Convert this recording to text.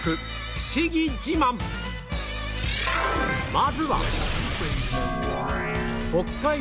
まずは